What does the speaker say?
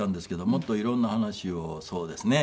もっと色んな話をそうですね。